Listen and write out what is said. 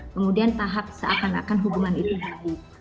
kemudian tahap seakan akan hubungan itu baik